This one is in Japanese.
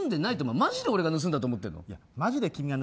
マジで俺が盗んだと思ってるの？